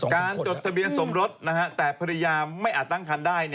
จดทะเบียนสมรสแต่ภรรยาไม่อาจตั้งคันได้